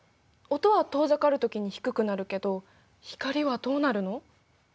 音は遠ざかるときに低くなるけど光はどうなるの？